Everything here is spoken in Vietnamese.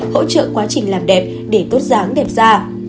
hỗ trợ quá trình làm đẹp để tốt dáng đẹp ra